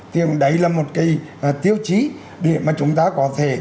thì đấy là một cái tiêu chí để mà chúng ta có thể